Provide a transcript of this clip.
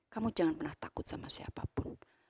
kamu jangan pernah takut sama siapapun